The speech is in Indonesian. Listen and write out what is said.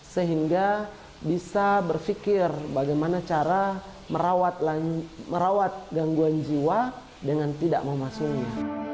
sehingga bisa berfikir bagaimana cara merawat gangguan jiwa dengan tidak memasungnya